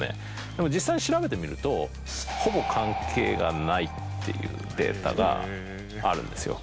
でも実際に調べてみると。っていうデータがあるんですよ。